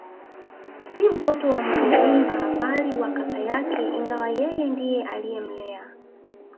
Si mtoto wa Munyigumba bali wa kaka yake ingawa yeye ndiye aliyemlea